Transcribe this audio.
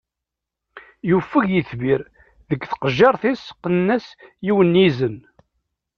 Yufeg yitbir, deg tqejjirt-is qqnen-as yiwen n izen.